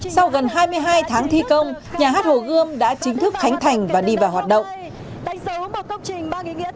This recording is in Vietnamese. sau gần hai mươi hai tháng thi công nhà hát hồ gươm đã chính thức khánh thành và đi vào hoạt động